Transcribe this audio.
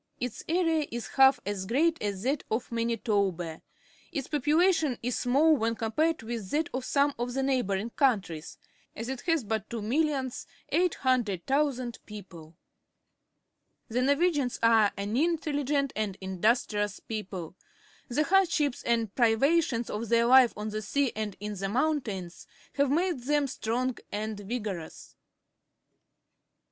Its area is about half as great as that of Manitoba. Its popula tion is small when compared with that of some of the neighbouring countries, as it has but 2,800,000 people. The Norwegians are an intelUgent and in dustrious people. The hardships and priva tions of their life on the sea and in the moun tains have made them strong and vigorous.